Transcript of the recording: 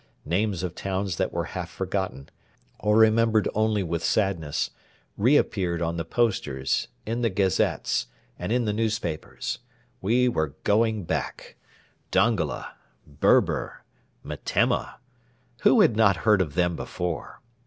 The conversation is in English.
Names of towns that were half forgotten or remembered only with sadness re appeared on the posters, in the gazettes, and in the newspapers. We were going back. 'Dongola,' 'Berber,' 'Metemma' who had not heard of them before?